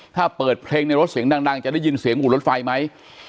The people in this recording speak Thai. ถ้าเปิดเพลงในรถเสียงดังจะได้ยินเสียงอู่รถไฟไหม